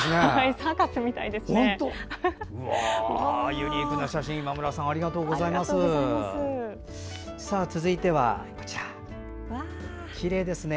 サーカスみたいですね。